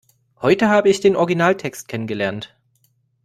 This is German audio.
Heute habe ich den Originaltext kennengelernt.